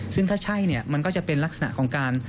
ซึ่งถ้าใช่เนี่ยมันก็จะเป็นลักษณะของการ